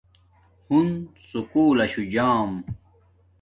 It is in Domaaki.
ھون سکُول لشو جام